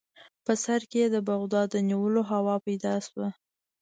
په سر کې یې د بغداد د نیولو هوا پیدا شوه.